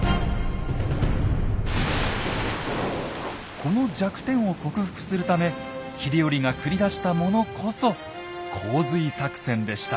この弱点を克服するため秀頼が繰り出したものこそ洪水作戦でした。